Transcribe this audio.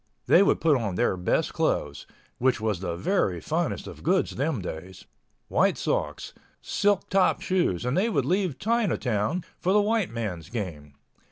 They would put on their best clothes—which was the very finest of goods them days—white socks, silk top shoes, and they would leave Chinatown for the white man's game.